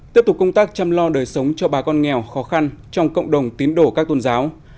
tiếp tục công tác chăm lo đời sống cho bà con nghèo khó khăn trong cộng đồng tín đổ các tôn giáo